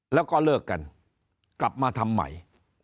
แล้วก็เลิกกันกลับมาทำใหม่